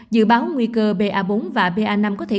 dự báo nguy cơ pa bốn và ba năm có thể